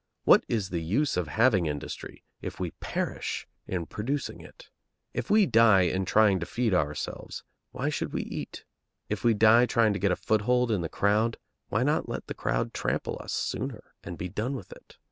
What is the use of having industry, if we perish in producing it? If we die in trying to feed ourselves, why should we eat? If we die trying to get a foothold in the crowd, why not let the crowd trample us sooner and be done with it?